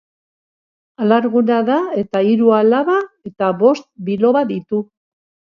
Alarguna da eta hiru alaba eta bost biloba ditu.